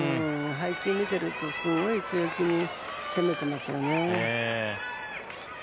配球を見ているとすごく強気に攻めてますよね。